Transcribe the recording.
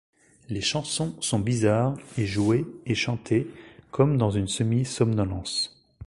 Les chansons sont bizarres et jouées et chantées comme dans une semi-somnolence.